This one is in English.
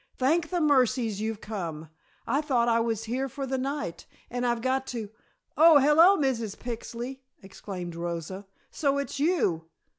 "Thank the mercies you've come! I thought I was here for the night and I've got to " "Oh, hello, Mrs. Pixley!" exclaimed Rosa. "So it's you!